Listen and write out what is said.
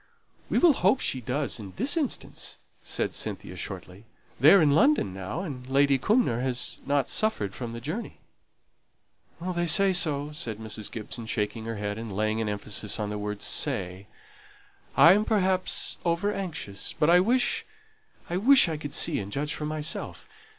"We will hope she does in this instance," said Cynthia, shortly. "They're in London now, and Lady Cumnor hasn't suffered from the journey." "They say so," said Mrs. Gibson, shaking her head, and laying an emphasis on the word "say." "I am perhaps over anxious, but I wish I wish I could see and judge for myself.